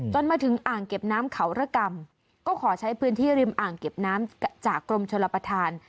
มาถึงอ่างเก็บน้ำเขาระกรรมก็ขอใช้พื้นที่ริมอ่างเก็บน้ำจากกรมชลประธาน